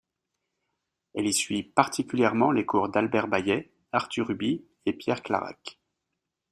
Elle y suit particulièrement les cours d'Albert Bayet, Arthur Huby et Pierre Clarac.